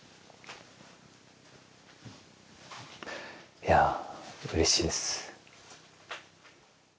いやうれしいです。